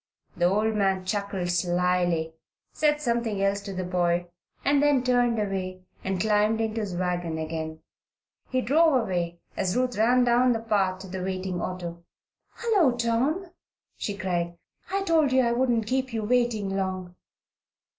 The old man chuckled slily, said something else to the boy, and then turned away and climbed into his wagon again. He drove away as Ruth ran down the path to the waiting auto. "Hullo, Tom!" she cried. "I told you I wouldn't keep you waiting long."